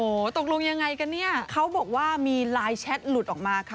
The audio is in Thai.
โอ้โหตกลงยังไงกันเนี่ยเขาบอกว่ามีไลน์แชทหลุดออกมาค่ะ